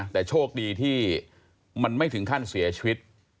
แต่โชคดีที่มันไม่ถึงขั้นเสียชีวิต